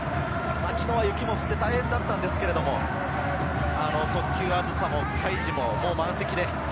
昨日は雪も降って大変だったんですけれども、特急「あずさ」も「